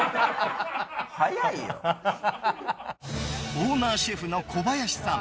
オーナーシェフの小林さん。